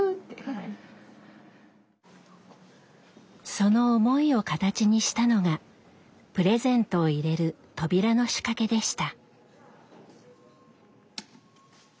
その思いを形にしたのがプレゼントを入れる扉の仕掛けでした。